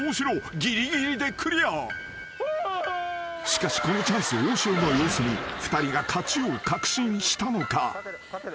［しかしこのチャンス大城の様子に２人が勝ちを確信したのか］